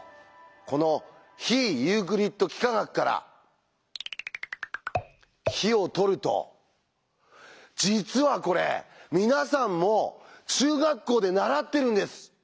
この「非ユークリッド幾何学」から「非」をとると実はこれ皆さんも中学校で習ってるんです！